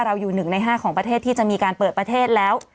อยู่๑ใน๕ของประเทศที่จะมีการเปิดประเทศแล้ว